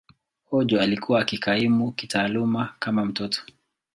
Ojo alikuwa akikaimu kitaaluma kama mtoto.